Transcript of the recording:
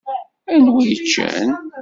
Anwa i yeččan?